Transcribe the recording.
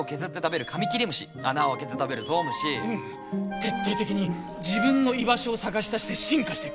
徹底的に自分の居場所を探し出して進化していく。